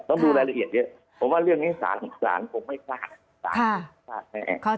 ต้องดูรายละเอียดเยอะเพราะว่าเรื่องนี้สารของสารผมไม่พลาด